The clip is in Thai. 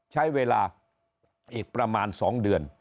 ใช้เวลาอีกประมาณ๒เดือน